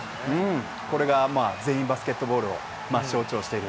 これが全員バスケットボールを象徴している。